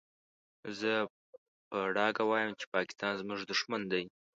زه په ډاګه وايم چې پاکستان زموږ دوښمن دی.